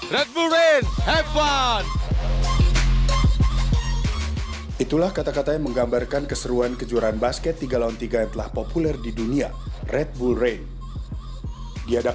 red bull reign kejuaraan bola basket tiga lawan tiga indonesia dua ribu tujuh belas